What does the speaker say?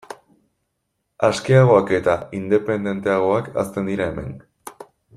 Askeagoak eta independenteagoak hazten dira hemen.